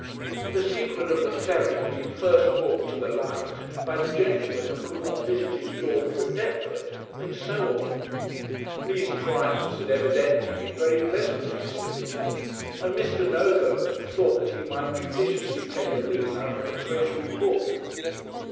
The secret of the ferry had been first brought to the light by the gentleman who could not visit his daughter at Deptford, and so on. These triumphs had evidently been very pleasant to Mr. Vigil, and Mr. Nogo thought that he might judiciously take a leaf out of the Treasury book.